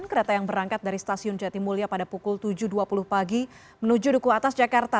kereta yang berangkat dari stasiun jatimulya pada pukul tujuh dua puluh pagi menuju duku atas jakarta